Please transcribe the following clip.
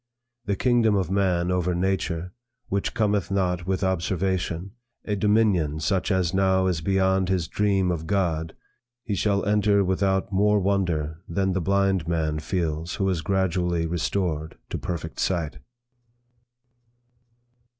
The kingdom of man over nature, which cometh not with observation, a dominion such as now is beyond his dream of God, he shall enter without more wonder than the blind man feels who is gradually restored to perfect sight.'